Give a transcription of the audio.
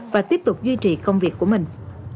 và tiếp tục duy trì công việc của mình